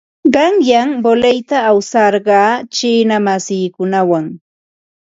Qanyan voleyta awasarqaa chiina masiikunawan.